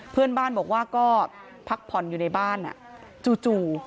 เพื่อนบ้านบอกว่าก็พักผ่อนอยู่ในบ้านจู่